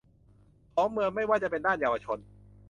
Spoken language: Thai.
ของเมืองไม่ว่าจะเป็นด้านเยาวชน